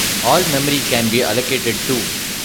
All memory can be allocated too.